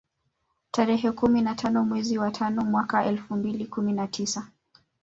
Tarehe kumi na tano mwezi wa tano mwaka elfu mbili kumi na tisa